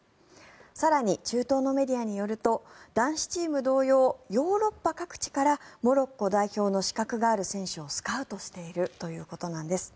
更に、中東のメディアによると男子チーム同様ヨーロッパ各地からモロッコ代表の資格がある選手をスカウトしているということなんです。